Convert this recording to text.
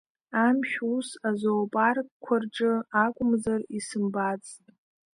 Амшә ус азоопаркқәа рҿы акәымзар, исымбацт…